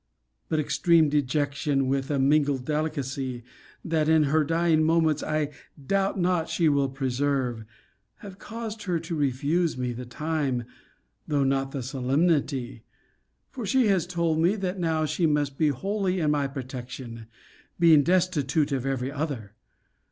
But extreme dejection, with a mingled delicacy, that in her dying moments I doubt not she will preserve, have caused her to refuse me the time, though not the solemnity; for she has told me, that now she must be wholly in my protection [being destitute of every other!